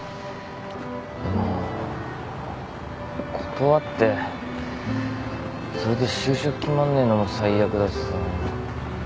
でも断ってそれで就職決まんねえのも最悪だしさ。